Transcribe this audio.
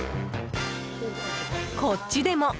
こっちでも。